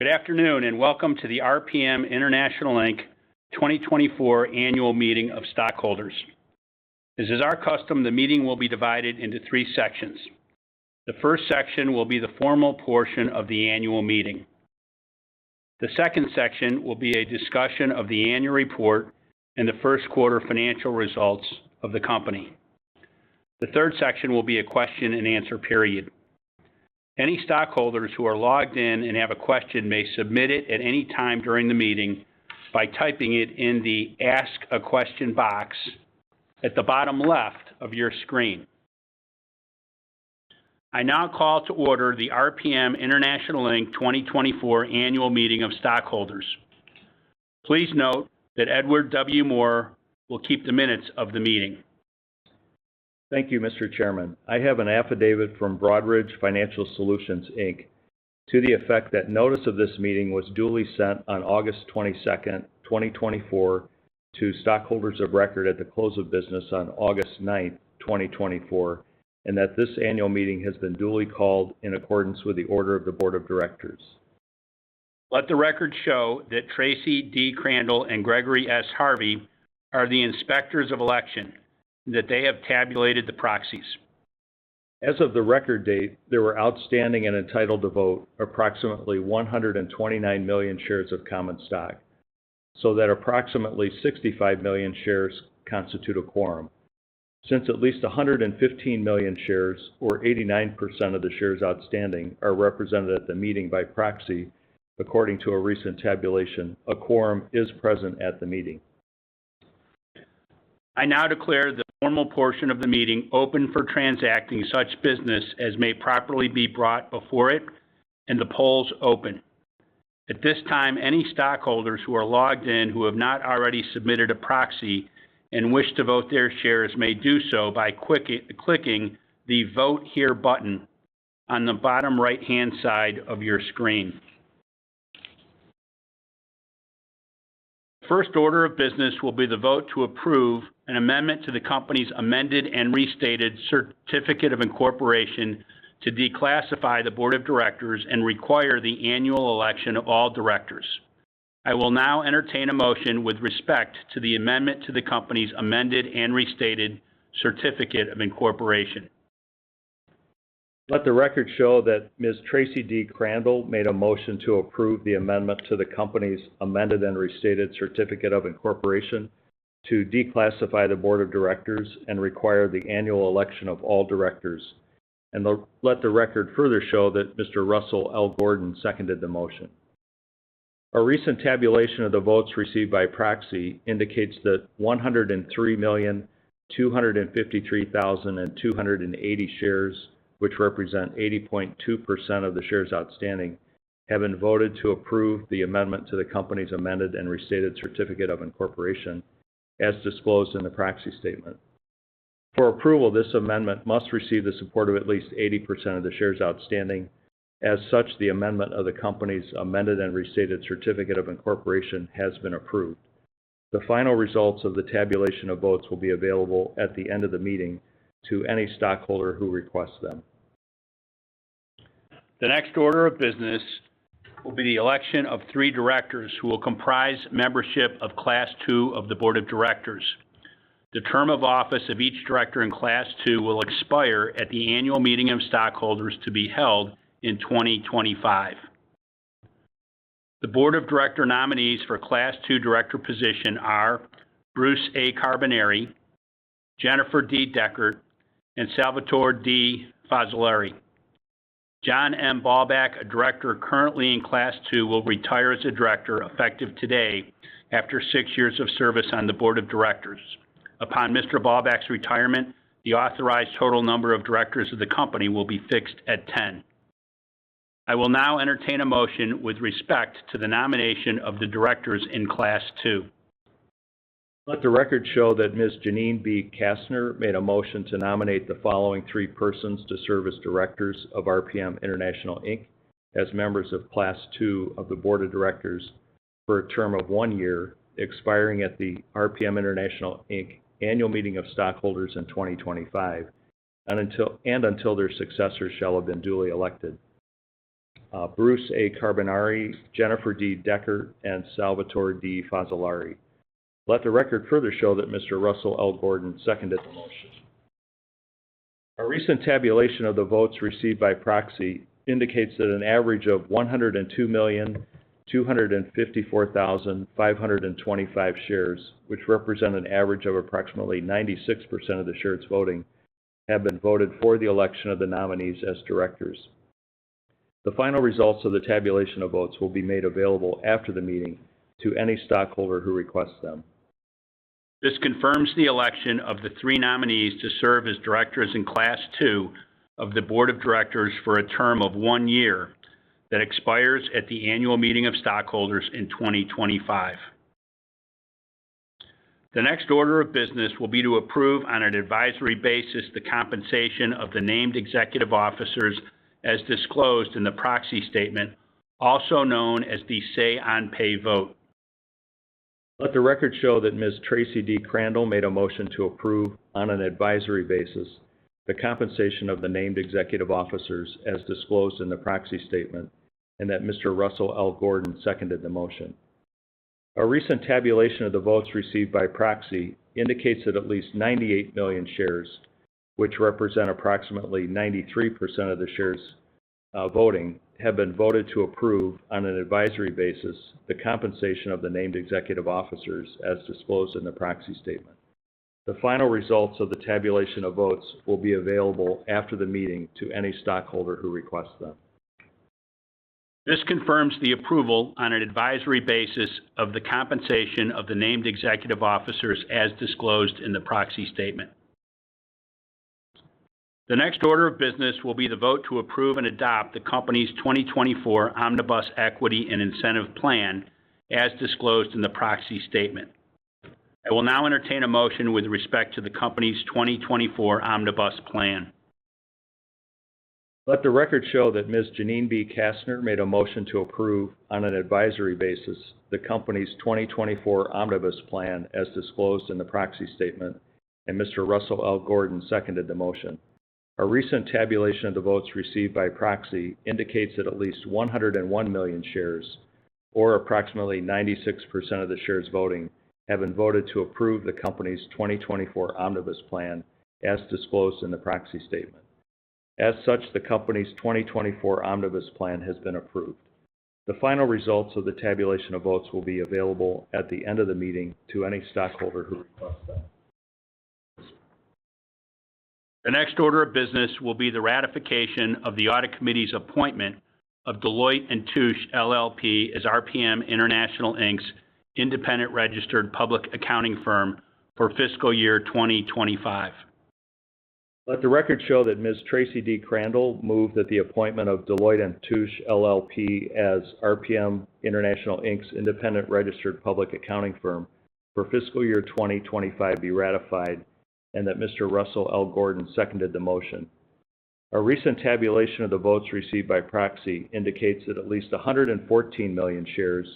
Good afternoon, and welcome to the RPM International Inc. 2024 Annual Meeting of Stockholders. As is our custom, the meeting will be divided into three sections. The first section will be the formal portion of the annual meeting. The second section will be a discussion of the annual report and the first quarter financial results of the company. The third section will be a question-and-answer period. Any stockholders who are logged in and have a question may submit it at any time during the meeting by typing it in the Ask a Question box at the bottom left of your screen. I now call to order the RPM International Inc. 2024 Annual Meeting of Stockholders. Please note that Edward W. Moore will keep the minutes of the meeting. Thank you, Mr. Chairman. I have an affidavit from Broadridge Financial Solutions, Inc., to the effect that notice of this meeting was duly sent on August 22nd, 2024, to stockholders of record at the close of business on August ninth, 2024, and that this annual meeting has been duly called in accordance with the order of the board of directors. Let the record show that Tracy D. Crandall and Gregory S. Harvey are the Inspectors of Election, and that they have tabulated the proxies. As of the record date, there were outstanding and entitled to vote approximately 129 million shares of common stock, so that approximately 65 million shares constitute a quorum. Since at least 115 million shares, or 89% of the shares outstanding, are represented at the meeting by proxy, according to a recent tabulation, a quorum is present at the meeting. I now declare the formal portion of the meeting open for transacting such business as may properly be brought before it and the polls open. At this time, any stockholders who are logged in, who have not already submitted a proxy and wish to vote their shares, may do so by clicking the Vote Here button on the bottom right-hand side of your screen. The first order of business will be the vote to approve an amendment to the company's amended and restated certificate of incorporation to declassify the board of directors and require the annual election of all directors. I will now entertain a motion with respect to the amendment to the company's amended and restated certificate of incorporation. Let the record show that Ms. Tracy D. Crandall made a motion to approve the amendment to the company's amended and restated certificate of incorporation to declassify the board of directors and require the annual election of all directors. And let the record further show that Mr. Russell L. Gordon seconded the motion. A recent tabulation of the votes received by proxy indicates that 103,253,280 shares, which represent 80.2% of the shares outstanding, have been voted to approve the amendment to the company's amended and restated certificate of incorporation, as disclosed in the proxy statement. For approval, this amendment must receive the support of at least 80% of the shares outstanding. As such, the amendment of the company's amended and restated certificate of incorporation has been approved. The final results of the tabulation of votes will be available at the end of the meeting to any stockholder who requests them. The next order of business will be the election of three directors who will comprise membership of class II of the board of directors. The term of office of each director in class II will expire at the annual meeting of stockholders to be held in 2025. The board of directors nominees for class II director position are Bruce A. Carbonari, Jennifer D. Deckard, and Salvatore D. Fazzolari. John M. Ballbach, a director currently in class II, will retire as a director, effective today, after six years of service on the board of directors. Upon Mr. Ballbach's retirement, the authorized total number of directors of the company will be fixed at 10. I will now entertain a motion with respect to the nomination of the directors in class II. Let the record show that Ms. Janeen B. Kastner made a motion to nominate the following three persons to serve as directors of RPM International Inc. as members of class II of the board of directors for a term of one year, expiring at the RPM International Inc. Annual Meeting of Stockholders in 2025, and until their successors shall have been duly elected. Bruce A. Carbonari, Jennifer D. Deckard, and Salvatore D. Fazzolari. Let the record further show that Mr. Russell L. Gordon seconded the motion. A recent tabulation of the votes received by proxy indicates that an average of 102,254,525 shares, which represent an average of approximately 96% of the shares voting, have been voted for the election of the nominees as directors. The final results of the tabulation of votes will be made available after the meeting to any stockholder who requests them. This confirms the election of the three nominees to serve as directors in class II of the board of directors for a term of one year, that expires at the annual meeting of stockholders in 2025. The next order of business will be to approve, on an advisory basis, the compensation of the named executive officers, as disclosed in the proxy statement, also known as the Say-on-Pay vote. Let the record show that Ms. Tracy D. Crandall made a motion to approve on an advisory basis, the compensation of the named executive officers as disclosed in the proxy statement, and that Mr. Russell L. Gordon seconded the motion. A recent tabulation of the votes received by proxy indicates that at least 98 million shares, which represent approximately 93% of the shares voting, have been voted to approve on an advisory basis, the compensation of the named executive officers as disclosed in the proxy statement. The final results of the tabulation of votes will be available after the meeting to any stockholder who requests them. This confirms the approval on an advisory basis of the compensation of the named executive officers as disclosed in the proxy statement. The next order of business will be the vote to approve and adopt the company's 2024 Omnibus Equity and Incentive Plan, as disclosed in the proxy statement. I will now entertain a motion with respect to the company's 2024 Omnibus Plan. Let the record show that Ms. Janeen B. Kastner made a motion to approve on an advisory basis, the company's 2024 Omnibus Plan, as disclosed in the proxy statement, and Mr. Russell L. Gordon seconded the motion. A recent tabulation of the votes received by proxy indicates that at least 101 million shares, or approximately 96% of the shares voting, have been voted to approve the company's 2024 Omnibus Plan, as disclosed in the proxy statement. As such, the company's 2024 Omnibus Plan has been approved. The final results of the tabulation of votes will be available at the end of the meeting to any stockholder who requests them. The next order of business will be the ratification of the Audit Committee's appointment of Deloitte & Touche LLP as RPM International Inc.'s independent registered public accounting firm for fiscal year 2025. Let the record show that Ms. Tracy D. Crandall moved that the appointment of Deloitte & Touche LLP as RPM International Inc.'s independent registered public accounting firm for fiscal year 2025 be ratified, and that Mr. Russell L. Gordon seconded the motion. A recent tabulation of the votes received by proxy indicates that at least 114 million shares,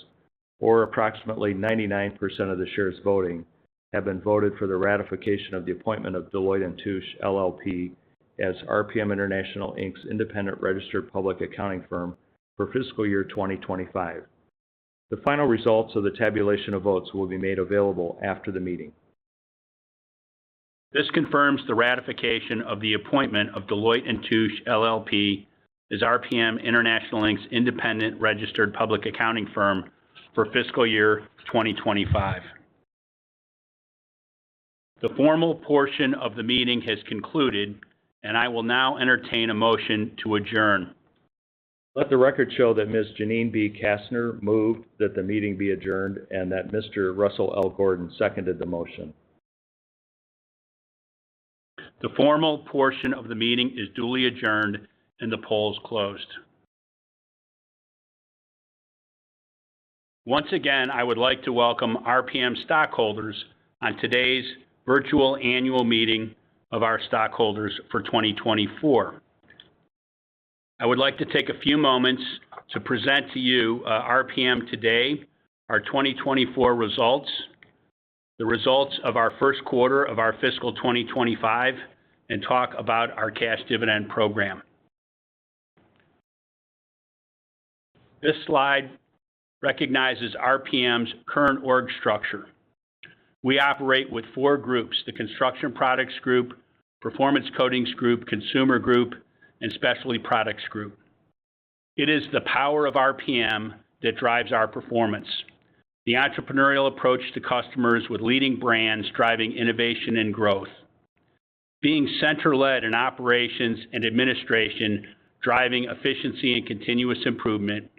or approximately 99% of the shares voting, have been voted for the ratification of the appointment of Deloitte & Touche LLP as RPM International Inc.'s independent registered public accounting firm for fiscal year 2025. The final results of the tabulation of votes will be made available after the meeting. This confirms the ratification of the appointment of Deloitte & Touche LLP as RPM International Inc.'s independent registered public accounting firm for fiscal year 2025. The formal portion of the meeting has concluded, and I will now entertain a motion to adjourn. Let the record show that Ms. Janeen B. Kastner moved, that the meeting be adjourned, and that Mr. Russell L. Gordon seconded the motion. The formal portion of the meeting is duly adjourned and the polls closed. Once again, I would like to welcome RPM stockholders on today's virtual annual meeting of our stockholders for 2024. I would like to take a few moments to present to you, RPM today, our 2024 results, the results of our first quarter of our fiscal 2025, and talk about our cash dividend program. This slide recognizes RPM's current org structure. We operate with four groups: the Construction Products Group, Performance Coatings Group, Consumer Group, and Specialty Products Group. It is the power of RPM that drives our performance. The entrepreneurial approach to customers with leading brands driving innovation and growth. Being center-led in operations and administration, driving efficiency and continuous improvement,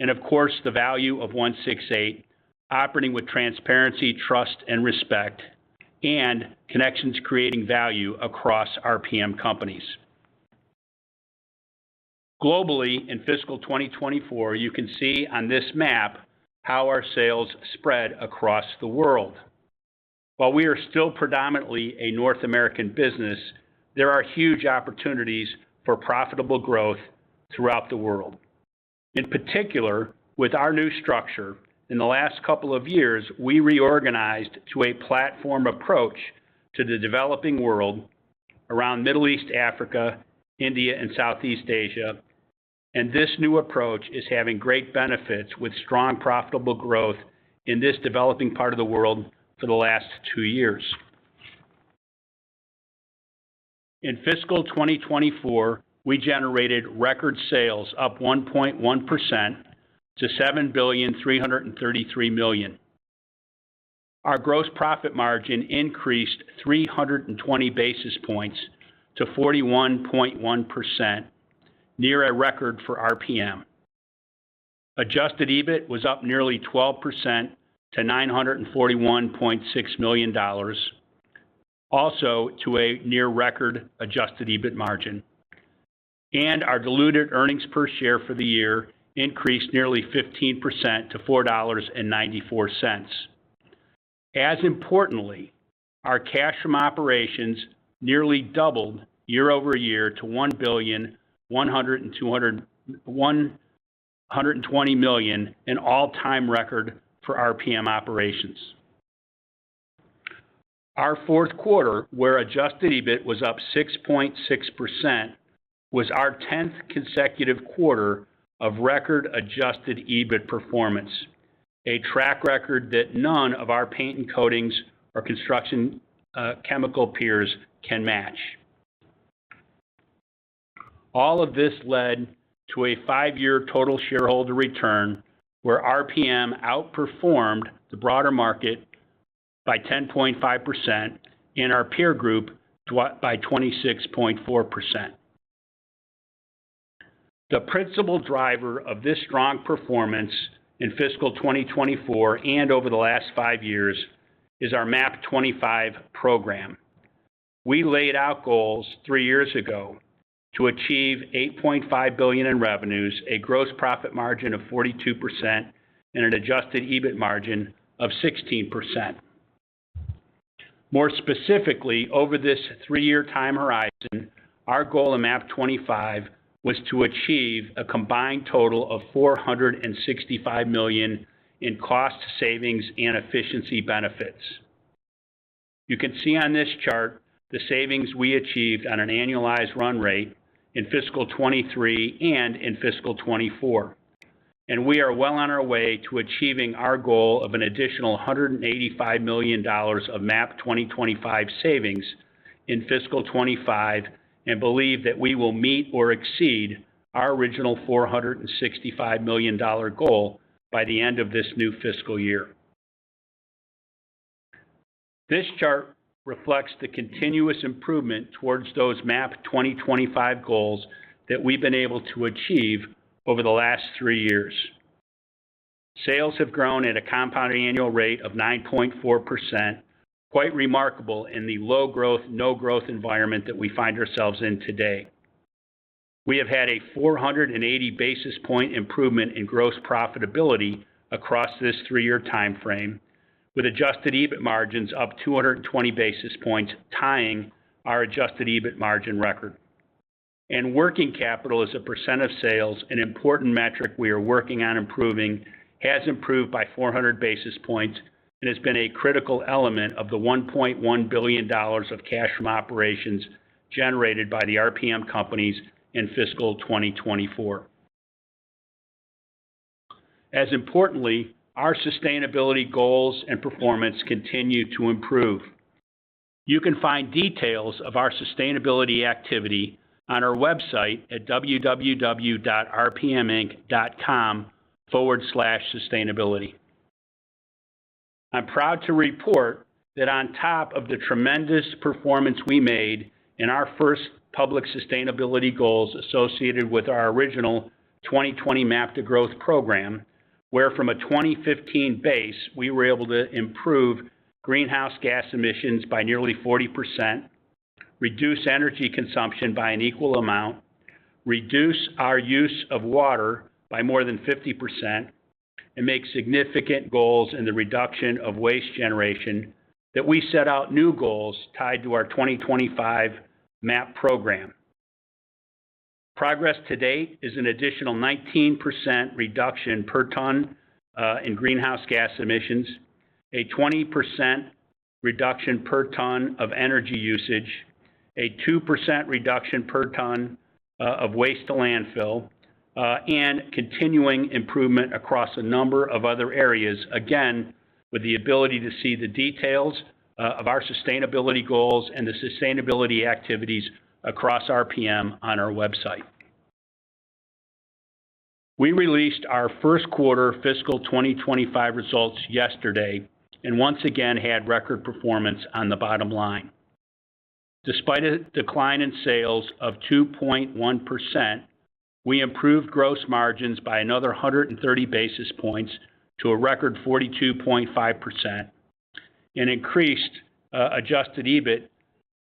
and of course, the value of 168, operating with transparency, trust, and respect, and connections creating value across RPM companies. Globally, in fiscal 2024, you can see on this map how our sales spread across the world. While we are still predominantly a North American business, there are huge opportunities for profitable growth throughout the world. In particular, with our new structure, in the last couple of years, we reorganized to a platform approach to the developing world around Middle East, Africa, India, and Southeast Asia, and this new approach is having great benefits with strong, profitable growth in this developing part of the world for the last two years. In fiscal 2024, we generated record sales up 1.1% to $7.333 billion. Our gross profit margin increased 320 basis points to 41.1%, near a record for RPM. Adjusted EBIT was up nearly 12% to $941.6 million, also to a near record adjusted EBIT margin. Our diluted earnings per share for the year increased nearly 15% to $4.94.As importantly, our cash from operations nearly doubled year-over-year to $1.12 billion, an all-time record for RPM operations. Our fourth quarter, where adjusted EBIT was up 6.6%, was our 10th consecutive quarter of record adjusted EBIT performance, a track record that none of our paint and coatings or construction chemical peers can match. All of this led to a 5-year total shareholder return, where RPM outperformed the broader market by 10.5% and our peer group by 26.4%. The principal driver of this strong performance in fiscal 2024 and over the last five years is our MAP 2025 program. We laid out goals three years ago to achieve $8.5 billion in revenues, a gross profit margin of 42%, and an Adjusted EBIT margin of 16%. More specifically, over this three-year time horizon, our goal in MAP 2025 was to achieve a combined total of $465 million in cost savings and efficiency benefits. You can see on this chart the savings we achieved on an annualized run rate in fiscal 2023 and in fiscal 2024, and we are well on our way to achieving our goal of an additional $185 million of MAP 2025 savings in fiscal 2025, and believe that we will meet or exceed our original $465 million goal by the end of this new fiscal year. This chart reflects the continuous improvement towards those MAP 2025 goals that we've been able to achieve over the last three years. Sales have grown at a compounding annual rate of 9.4%, quite remarkable in the low growth, no growth environment that we find ourselves in today. We have had a 480 basis point improvement in gross profitability across this three-year timeframe, with adjusted EBIT margins up 220 basis points, tying our adjusted EBIT margin record. And working capital as a % of sales, an important metric we are working on improving, has improved by 400 basis points and has been a critical element of the $1.1 billion of cash from operations generated by the RPM companies in fiscal 2024. As importantly, our sustainability goals and performance continue to improve. You can find details of our sustainability activity on our website at www.rpminc.com/sustainability. I'm proud to report that on top of the tremendous performance we made in our first public sustainability goals associated with our original 2020 MAP to Growth program, where from a 2015 base, we were able to improve greenhouse gas emissions by nearly 40%, reduce energy consumption by an equal amount, reduce our use of water by more than 50%, and make significant goals in the reduction of waste generation, that we set out new goals tied to our 2025 MAP program. Progress to date is an additional 19% reduction per ton in greenhouse gas emissions, a 20% reduction per ton of energy usage, a 2% reduction per ton of waste to landfill, and continuing improvement across a number of other areas. Again, with the ability to see the details, of our sustainability goals and the sustainability activities across RPM on our website. We released our first quarter fiscal 2025 results yesterday, and once again, had record performance on the bottom line. Despite a decline in sales of 2.1%, we improved gross margins by another 130 basis points to a record 42.5% and increased adjusted EBIT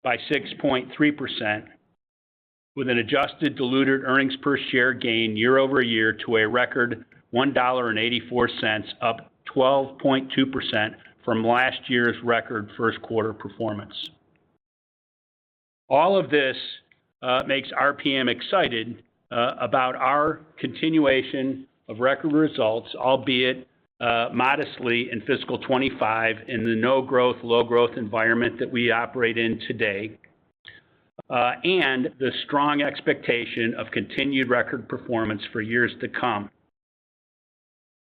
by 6.3%, with an adjusted diluted earnings per share gain year-over-year to a record $1.84, up 12.2% from last year's record first quarter performance. All of this makes RPM excited about our continuation of record results, albeit modestly in fiscal 2025, in the no growth, low growth environment that we operate in today, and the strong expectation of continued record performance for years to come.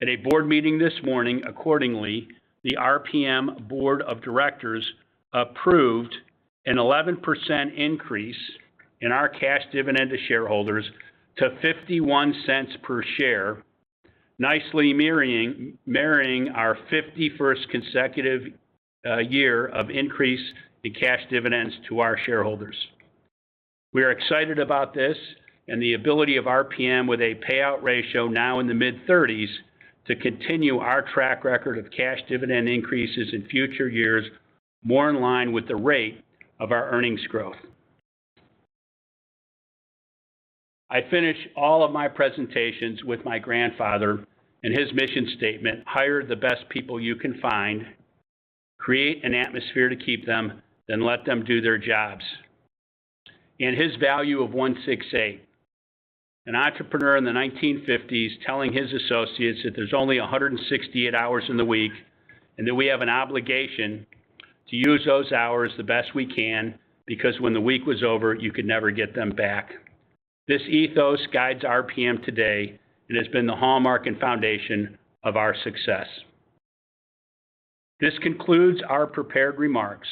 At a board meeting this morning, accordingly, the RPM board of directors approved an 11% increase in our cash dividend to shareholders to $0.51 per share, nicely mirroring, marrying our 51st consecutive year of increase in cash dividends to our shareholders. We are excited about this and the ability of RPM with a payout ratio now in the mid-thirties, to continue our track record of cash dividend increases in future years, more in line with the rate of our earnings growth. I finish all of my presentations with my grandfather and his mission statement: "Hire the best people you can find, create an atmosphere to keep them, then let them do their jobs." And his value of 168. An entrepreneur in the 1950s telling his associates that there's only 168 hours in the week, and that we have an obligation to use those hours the best we can, because when the week was over, you could never get them back. This ethos guides RPM today and has been the hallmark and foundation of our success. This concludes our prepared remarks.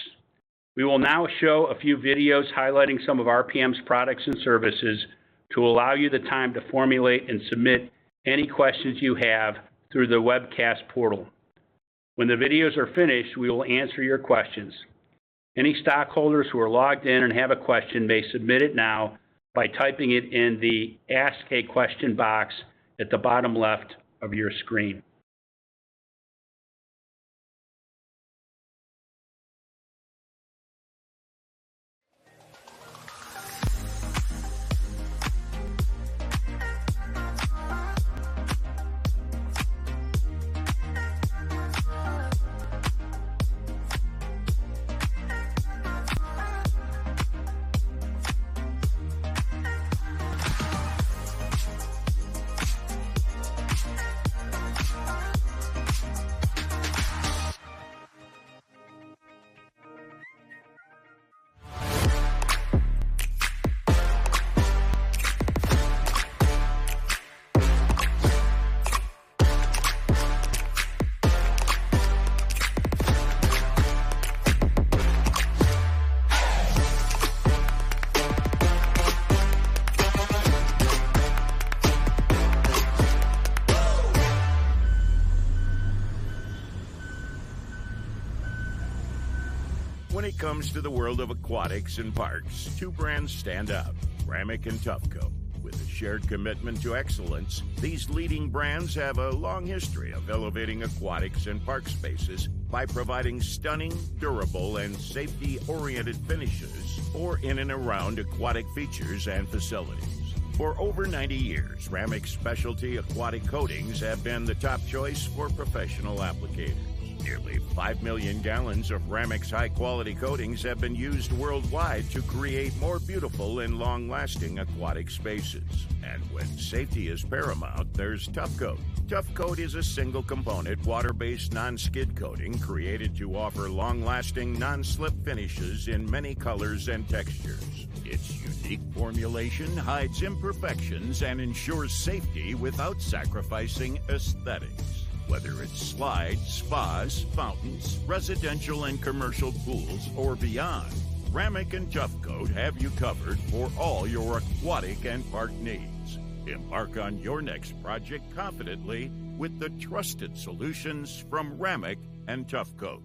We will now show a few videos highlighting some of RPM's products and services to allow you the time to formulate and submit any questions you have through the webcast portal. When the videos are finished, we will answer your questions. Any stockholders who are logged in and have a question may submit it now by typing it in the Ask a Question box at the bottom left of your screen. When it comes to the world of aquatics and parks, two brands stand out, Ramuc and TuffCoat. With a shared commitment to excellence, these leading brands have a long history of elevating aquatics and park spaces by providing stunning, durable, and safety-oriented finishes for in and around aquatic features and facilities. For over 90 years, Ramuc Specialty Aquatic Coatings have been the top choice for professional applicators. Nearly 5 million gallons of Ramuc's high-quality coatings have been used worldwide to create more beautiful and long-lasting aquatic spaces. And when safety is paramount, there's TuffCoat. TuffCoat is a single-component, water-based, non-skid coating created to offer long-lasting, non-slip finishes in many colors and textures. Its unique formulation hides imperfections and ensures safety without sacrificing aesthetics. Whether it's slides, spas, fountains, residential and commercial pools, or beyond, Ramuc and TuffCoat have you covered for all your aquatic and park needs. Embark on your next project confidently with the trusted solutions from Ramuc and TuffCoat.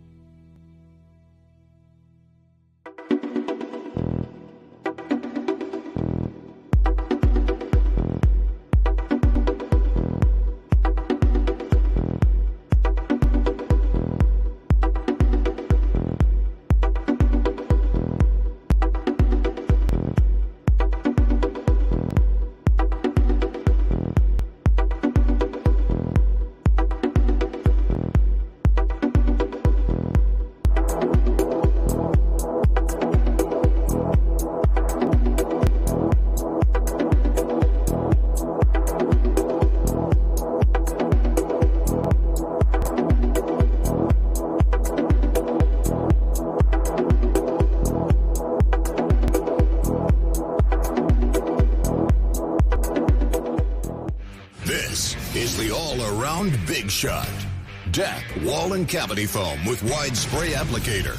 This is the all-around big shot. DAP Wall and Cavity Foam with wide spray applicator.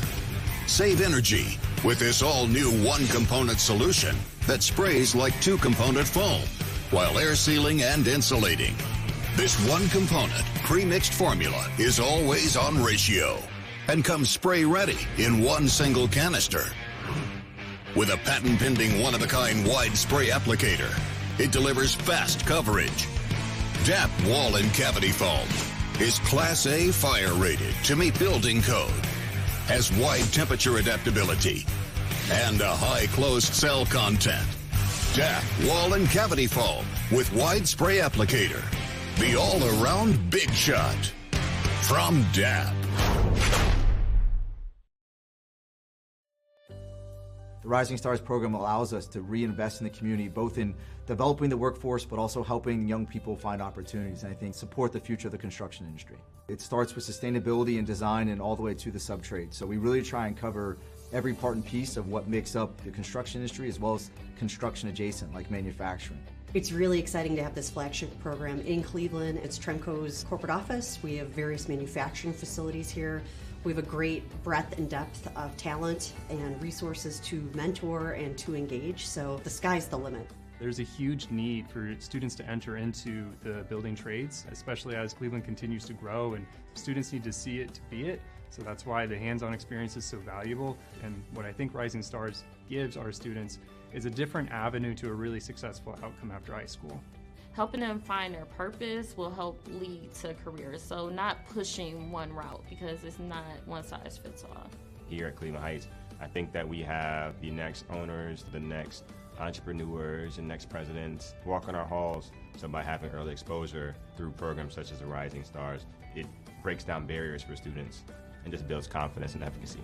Save energy with this all-new one-component solution that sprays like two-component foam while air sealing and insulating. This one-component, pre-mixed formula is always on ratio and comes spray-ready in one single canister. With a patent-pending, one-of-a-kind wide spray applicator, it delivers fast coverage. DAP Wall and Cavity Foam is Class A fire-rated to meet building code, has wide temperature adaptability, and a high closed cell content. DAP Wall and Cavity Foam with wide spray applicator, the all-around big shot from DAP. The Rising Stars program allows us to reinvest in the community, both in developing the workforce but also helping young people find opportunities, and I think support the future of the construction industry. It starts with sustainability and design and all the way to the sub-trades. So we really try and cover every part and piece of what makes up the construction industry, as well as construction adjacent, like manufacturing. It's really exciting to have this flagship program in Cleveland. It's Tremco's corporate office. We have various manufacturing facilities here. We have a great breadth and depth of talent and resources to mentor and to engage, so the sky's the limit. There's a huge need for students to enter into the building trades, especially as Cleveland continues to grow, and students need to see it to be it. So that's why the hands-on experience is so valuable. And what I think Rising Stars gives our students is a different avenue to a really successful outcome after high school. Helping them find their purpose will help lead to careers. So not pushing one route, because it's not one size fits all. Here at Cleveland Heights, I think that we have the next owners, the next entrepreneurs, the next presidents walking our halls. So by having early exposure through programs such as the Rising Stars, it breaks down barriers for students and just builds confidence and efficacy.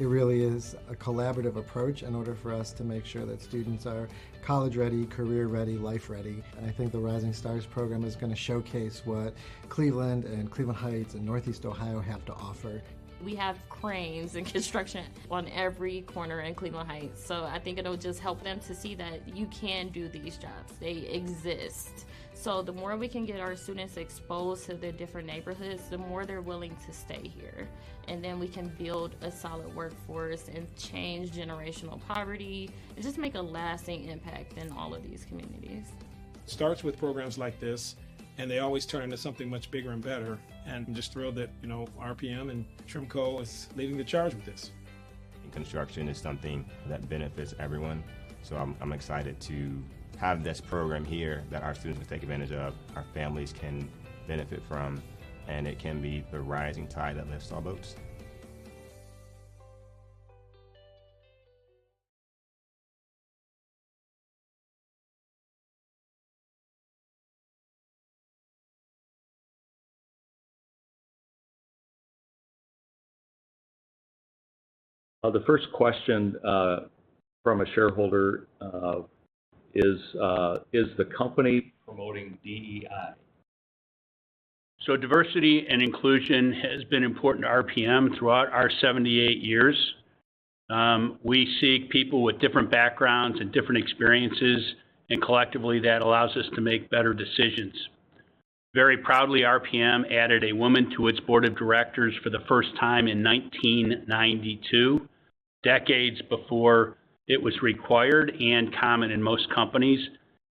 It really is a collaborative approach in order for us to make sure that students are college-ready, career-ready, life-ready, and I think the Rising Stars program is gonna showcase what Cleveland and Cleveland Heights, and Northeast Ohio have to offer. We have cranes and construction on every corner in Cleveland Heights, so I think it'll just help them to see that you can do these jobs. They exist, so the more we can get our students exposed to the different neighborhoods, the more they're willing to stay here, and then we can build a solid workforce and change generational poverty, and just make a lasting impact in all of these communities. It starts with programs like this, and they always turn into something much bigger and better, and I'm just thrilled that, you know, RPM and Tremco is leading the charge with this. Construction is something that benefits everyone, so I'm excited to have this program here that our students can take advantage of, our families can benefit from, and it can be the rising tide that lifts all boats. The first question from a shareholder is, "Is the company promoting DEI? Diversity and inclusion has been important to RPM throughout our 78 years. We seek people with different backgrounds and different experiences, and collectively, that allows us to make better decisions. Very proudly, RPM added a woman to its board of directors for the first time in 1992, decades before it was required and common in most companies,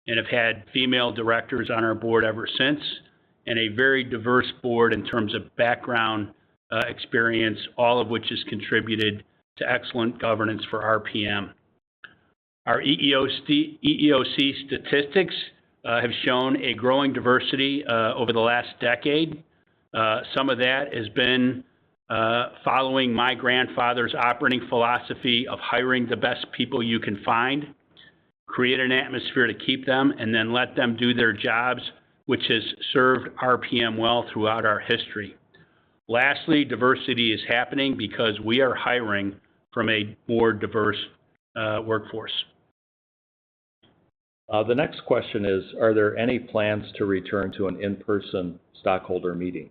and have had female directors on our board ever since. And a very diverse board in terms of background, experience, all of which has contributed to excellent governance for RPM. Our EEOC statistics have shown a growing diversity over the last decade. Some of that has been following my grandfather's operating philosophy of hiring the best people you can find, create an atmosphere to keep them, and then let them do their jobs, which has served RPM well throughout our history. Lastly, diversity is happening because we are hiring from a more diverse, workforce. The next question is, "Are there any plans to return to an in-person stockholder meeting?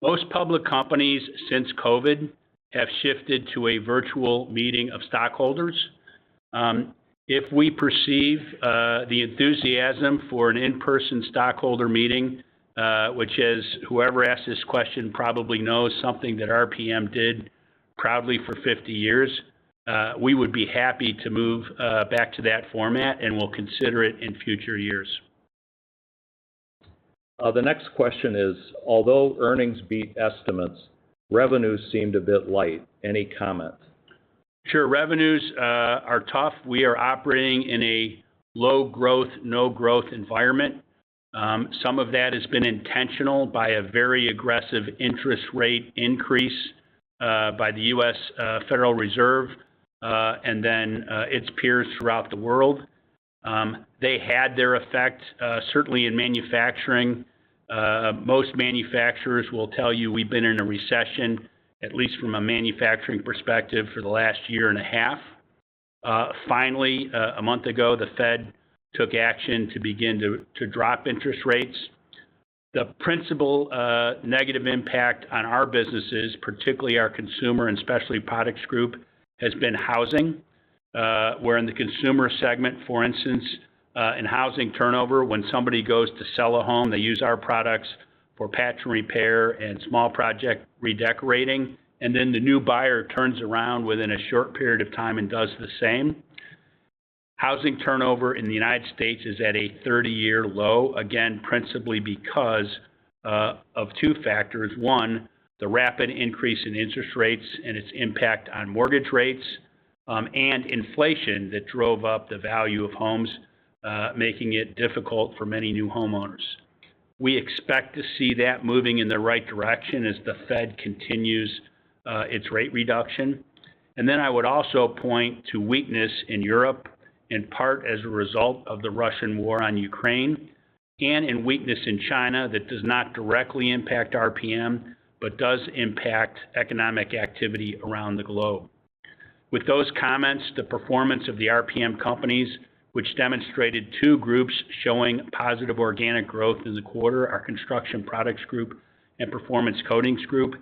Most public companies since COVID have shifted to a virtual meeting of stockholders. If we perceive the enthusiasm for an in-person stockholder meeting, which as whoever asked this question probably knows, something that RPM did proudly for 50 years, we would be happy to move back to that format, and we'll consider it in future years. The next question is, "Although earnings beat estimates, revenues seemed a bit light. Any comment? Sure. Revenues are tough. We are operating in a low growth, no growth environment. Some of that has been intentional by a very aggressive interest rate increase by the U.S. Federal Reserve and then its peers throughout the world. They had their effect certainly in manufacturing. Most manufacturers will tell you we've been in a recession, at least from a manufacturing perspective, for the last year and a half. Finally, a month ago, the Fed took action to begin to drop interest rates. The principal negative impact on our businesses, particularly our consumer and specialty products group, has been housing. where in the consumer segment, for instance, in housing turnover, when somebody goes to sell a home, they use our products for patch and repair and small project redecorating, and then the new buyer turns around within a short period of time and does the same. Housing turnover in the United States is at a 30-year low, again, principally because of two factors: one, the rapid increase in interest rates and its impact on mortgage rates, and inflation that drove up the value of homes, making it difficult for many new homeowners. We expect to see that moving in the right direction as the Fed continues its rate reduction. And then I would also point to weakness in Europe, in part as a result of the Russian war on Ukraine, and in weakness in China, that does not directly impact RPM, but does impact economic activity around the globe. With those comments, the performance of the RPM companies, which demonstrated two groups showing positive organic growth in the quarter, our Construction Products Group and Performance Coatings Group,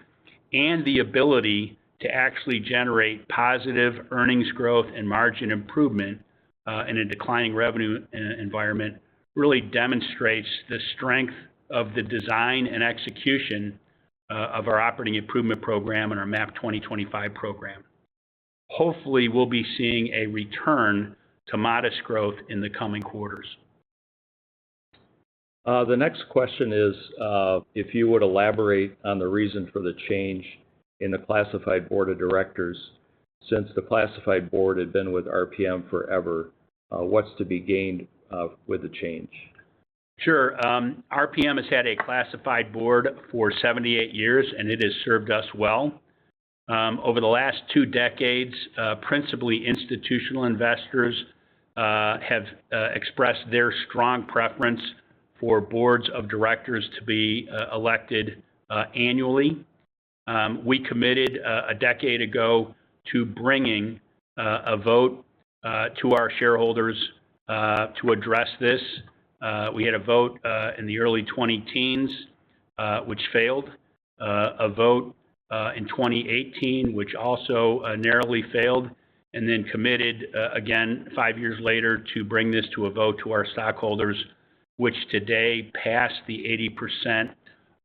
and the ability to actually generate positive earnings growth and margin improvement, in a declining revenue environment, really demonstrates the strength of the design and execution of our operating improvement program and our MAP 2025 program. Hopefully, we'll be seeing a return to modest growth in the coming quarters.... The next question is, if you would elaborate on the reason for the change in the classified board of directors, since the classified board had been with RPM forever, what's to be gained with the change? Sure. RPM has had a classified board for 78 years, and it has served us well. Over the last two decades, principally, institutional investors have expressed their strong preference for boards of directors to be elected annually. We committed a decade ago to bringing a vote to our shareholders to address this. We had a vote in the early twenty-teens, which failed. A vote in 2019, which also narrowly failed, and then committed again, five years later, to bring this to a vote to our stockholders, which today passed the 80%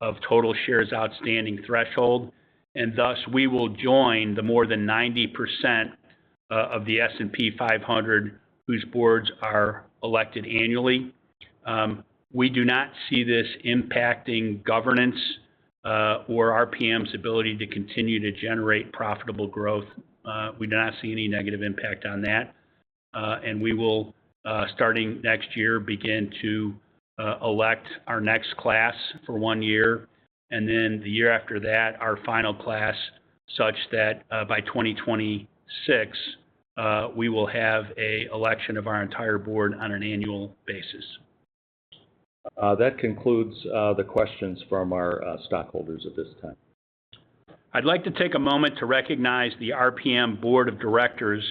of total shares outstanding threshold. And thus, we will join the more than 90% of the S&P 500, whose boards are elected annually. We do not see this impacting governance, or RPM's ability to continue to generate profitable growth. We do not see any negative impact on that, and we will, starting next year, begin to elect our next class for one year, and then the year after that, our final class, such that, by 2026, we will have an election of our entire board on an annual basis. That concludes the questions from our stockholders at this time. I'd like to take a moment to recognize the RPM board of directors,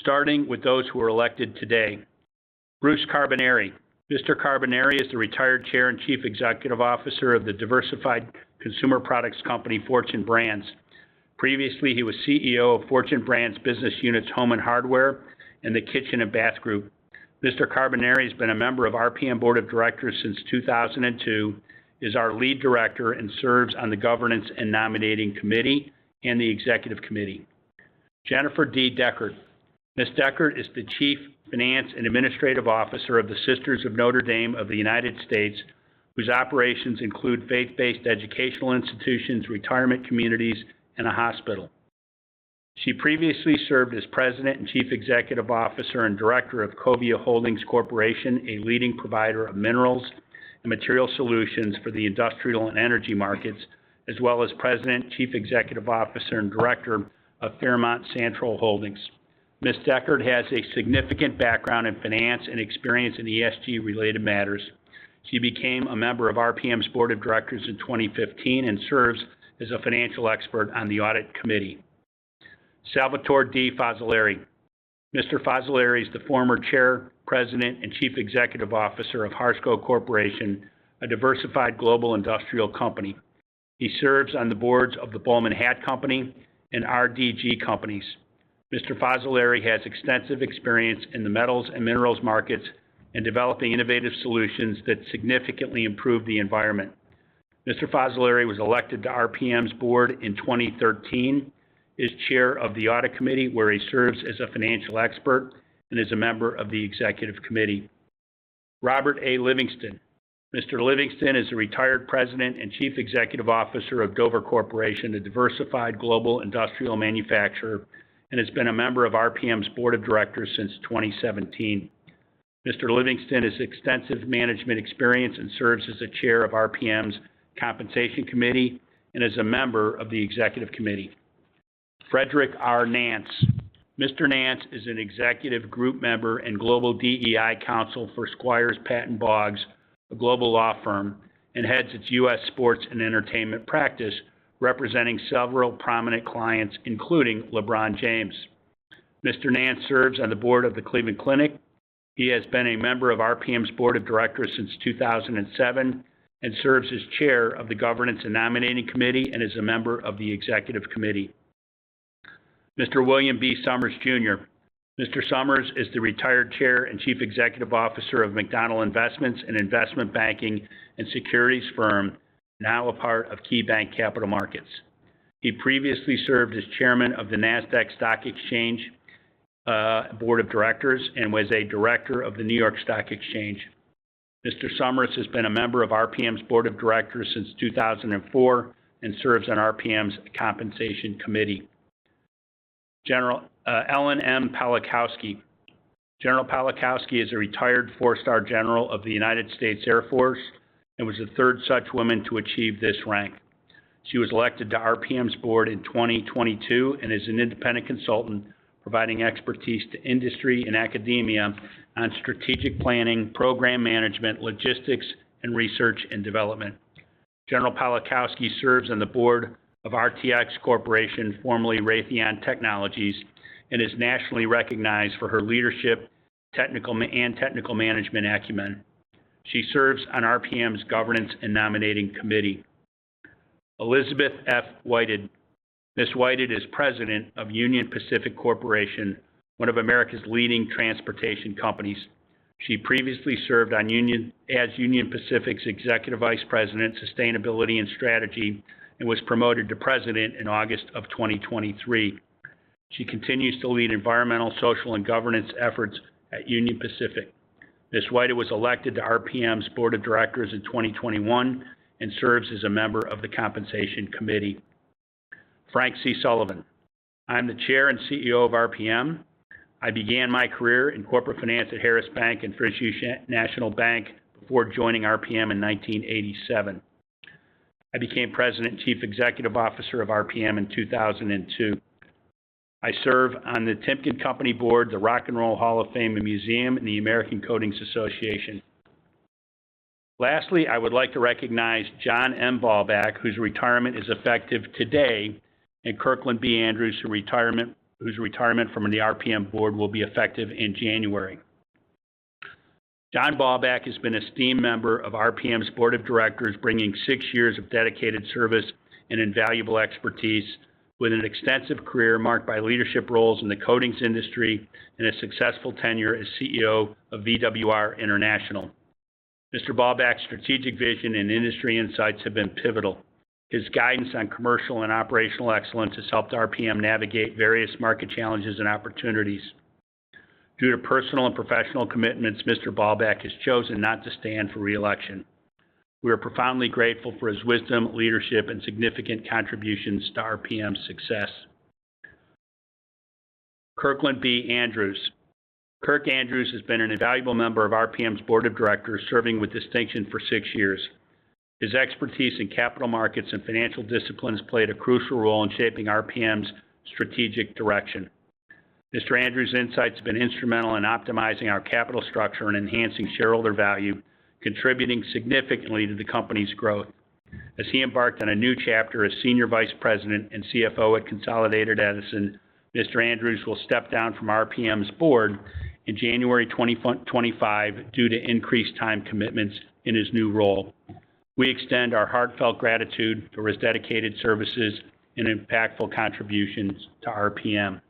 starting with those who were elected today. Bruce Carbonari. Mr. Carbonari is the retired chair and chief executive officer of the Diversified Consumer Products Company, Fortune Brands. Previously, he was CEO of Fortune Brands' business units, Home and Hardware, and the Kitchen and Bath Group. Mr. Carbonari has been a member of RPM Board of Directors since 2002, is our lead director, and serves on the Governance and Nominating Committee and the Executive Committee. Jennifer D. Deckard. Ms. Deckard is the Chief Finance and Administrative Officer of the Sisters of Notre Dame of the United States, whose operations include faith-based educational institutions, retirement communities, and a hospital. She previously served as President and Chief Executive Officer and Director of Covia Holdings Corporation, a leading provider of minerals and materials solutions for the industrial and energy markets, as well as President, Chief Executive Officer, and Director of Fairmont Santrol Holdings. Ms. Deckard has a significant background in finance and experience in ESG related matters. She became a member of RPM's Board of Directors in 2015 and serves as a financial expert on the Audit Committee. Salvatore D. Fazzolari. Mr. Fazzolari is the former chair, president, and chief executive officer of Harsco Corporation, a diversified global industrial company. He serves on the boards of the Bollman Hat Company and RDG Companies. Mr. Fazzolari has extensive experience in the metals and minerals markets and developing innovative solutions that significantly improve the environment. Mr. Fazzolari was elected to RPM's Board in 2013, is Chair of the Audit Committee, where he serves as a financial expert and is a member of the Executive Committee. Robert A. Livingston. Mr. Livingston is a retired President and Chief Executive Officer of Dover Corporation, a diversified global industrial manufacturer, and has been a member of RPM's Board of Directors since 2017. Mr. Livingston has extensive management experience and serves as the Chair of RPM's Compensation Committee and is a member of the Executive Committee. Frederick R. Nance. Mr. Nance is an executive group member and Global DEI Council for Squire Patton Boggs, a global law firm, and heads its U.S. Sports and Entertainment Practice, representing several prominent clients, including LeBron James. Mr. Nance serves on the board of the Cleveland Clinic. He has been a member of RPM's Board of Directors since 2007, and serves as chair of the Governance and Nominating Committee, and is a member of the Executive Committee. Mr. William B. Summers, Jr. Mr. Summers is the retired chair and chief executive officer of McDonald Investments, an investment banking and securities firm, now a part of KeyBank Capital Markets. He previously served as chairman of the Nasdaq Stock Exchange, Board of Directors, and was a director of the New York Stock Exchange. Mr. Summers has been a member of RPM's Board of Directors since 2004 and serves on RPM's Compensation Committee. General Ellen M. Pawlikowski. General Pawlikowski is a retired four-star general of the United States Air Force and was the third such woman to achieve this rank. She was elected to RPM's board in 2024 and is an independent consultant, providing expertise to industry and academia on strategic planning, program management, logistics, and research and development. General Pawlikowski serves on the board of RTX Corporation, formerly Raytheon Technologies, and is nationally recognized for her leadership, technical management acumen. She serves on RPM's Governance and Nominating Committee. Elizabeth F. Whited. Ms. Whited is president of Union Pacific Corporation, one of America's leading transportation companies. She previously served as Union Pacific's executive vice president, sustainability and strategy, and was promoted to president in August of 2023. She continues to lead environmental, social, and governance efforts at Union Pacific. Ms. Whited was elected to RPM's Board of Directors in 2021 and serves as a member of the Compensation Committee. Frank C. Sullivan. I'm the Chair and CEO of RPM. I began my career in corporate finance at Harris Bank and First National Bank before joining RPM in 1987. I became President and Chief Executive Officer of RPM in 2002. I serve on the Timken Company Board, the Rock & Roll Hall of Fame and Museum, and the American Coatings Association. Lastly, I would like to recognize John M. Ballbach, whose retirement is effective today, and Kirkland B. Andrews, whose retirement from the RPM board will be effective in January. John Ballbach has been an esteemed member of RPM's Board of Directors, bringing six years of dedicated service and invaluable expertise with an extensive career marked by leadership roles in the coatings industry and a successful tenure as CEO of VWR International. Mr. Ballbach's strategic vision and industry insights have been pivotal. His guidance on commercial and operational excellence has helped RPM navigate various market challenges and opportunities. Due to personal and professional commitments, Mr. Ballbach has chosen not to stand for re-election. We are profoundly grateful for his wisdom, leadership, and significant contributions to RPM's success. Kirkland B. Andrews. Kirk Andrews has been an invaluable member of RPM's Board of Directors, serving with distinction for six years. His expertise in capital markets and financial disciplines played a crucial role in shaping RPM's strategic direction. Mr. Andrews' insights have been instrumental in optimizing our capital structure and enhancing shareholder value, contributing significantly to the company's growth. As he embarked on a new chapter as Senior Vice President and CFO at Consolidated Edison, Mr. Andrews will step down from RPM's board in January 2025, due to increased time commitments in his new role. We extend our heartfelt gratitude for his dedicated services and impactful contributions to RPM.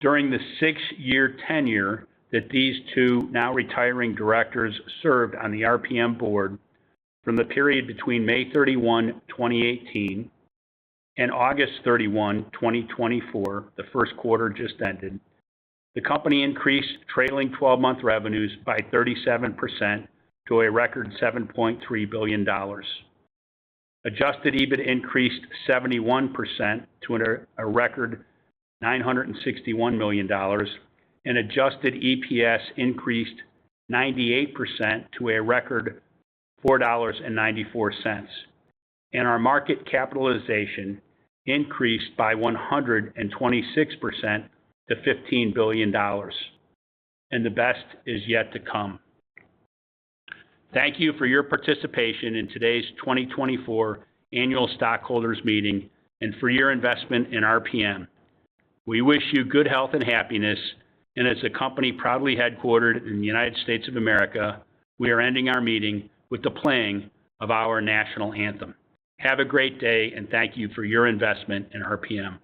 During the six-year tenure that these two now retiring directors served on the RPM board, from the period between May 31, 2018, and August 31, 2024, the first quarter just ended, the company increased trailing twelve-month revenues by 37% to a record $7.3 billion. Adjusted EBIT increased 71% to a record $961 million, and adjusted EPS increased 98% to a record $4.94. And our market capitalization increased by 126% to $15 billion, and the best is yet to come. Thank you for your participation in today's 2024 Annual Stockholders Meeting and for your investment in RPM. We wish you good health and happiness, and as a company proudly headquartered in the United States of America, we are ending our meeting with the playing of our national anthem. Have a great day, and thank you for your investment in RPM.